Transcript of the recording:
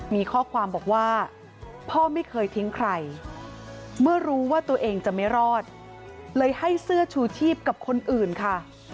มีข้อความบอกว่าพ่อไม่เคยทิ้งใครเมื่อรู้ว่าตัวเองจะไม่รอดเลยให้เสื้อชูชีพกับคนอื่นค่ะ